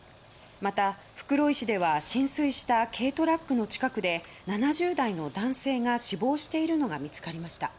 また袋井市では浸水した軽トラックの近くで７０代の男性が死亡しているのが見つかりました。